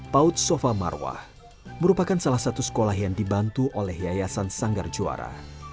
paut sofa marwah merupakan salah satu sekolah yang dibantu oleh yayasan sanggar juara